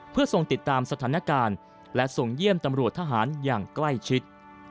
เพื่อทรงติดตามสถานการณ์และส่งเยี่ยมตำรวจทหารอย่างใกล้ชิด